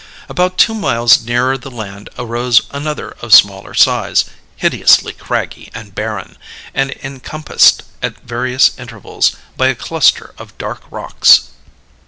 About two miles nearer the land arose another of smaller size, hideously craggy and barren, and encompassed at various intervals by a cluster of dark rocks.